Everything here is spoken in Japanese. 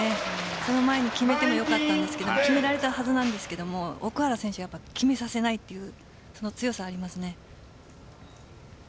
その前に決めてもよかったんですが決められたはずなんですが奥原選手は決めさせないという強さがありますね。